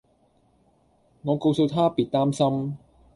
我告訴她別擔心